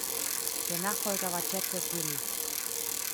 Der Nachfolger war "Jet Set Willy".